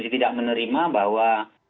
tidak menerima bahwa